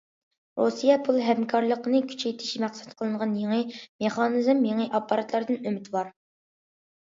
رۇسىيە پۇل ھەمكارلىقىنى كۈچەيتىش مەقسەت قىلىنغان يېڭى مېخانىزم، يېڭى ئاپپاراتلاردىن ئۈمىدۋار.